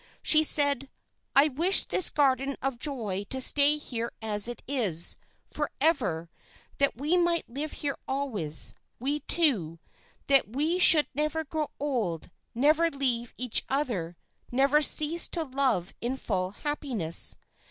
She said: 'I wish this Garden of Joy to stay here as it is, forever, that we might live here always, we two; that we should never grow old, never leave each other, never cease to love in full happiness.'